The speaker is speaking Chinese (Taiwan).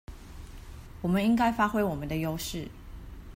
我們應該發揮我們的優勢